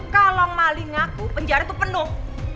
kalau maling ngaku penjara tuh penuh